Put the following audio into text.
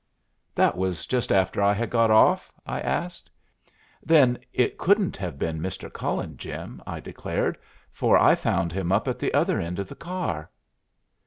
"That was just after I had got off?" I asked. "Yis, sah." "Then it couldn't have been Mr. Cullen, Jim," I declared, "for I found him up at the other end of the car."